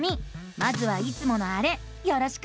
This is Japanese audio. まずはいつものあれよろしく！